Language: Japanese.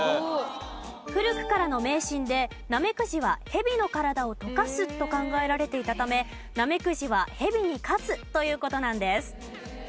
古くからの迷信でナメクジはヘビの体を溶かすと考えられていたためナメクジはヘビに勝つという事なんです。